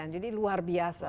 jadi luar biasa